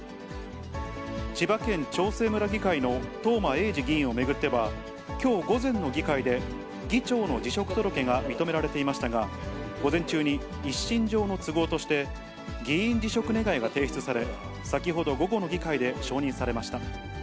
千葉県長生村議会の東間永次議員を巡っては、きょう午前の議会で議長の辞職届が認められていましたが、午前中に一身上の都合として、議員辞職願が提出され、先ほど、午後の議会で承認されました。